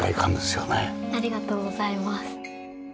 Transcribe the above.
ありがとうございます。